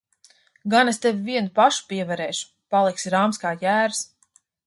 Gan es tevi vienu pašu pievarēšu! Paliksi rāms kā jērs.